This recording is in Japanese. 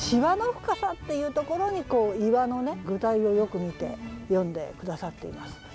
「皺の深さ」っていうところに岩の具体をよく見て詠んで下さっています。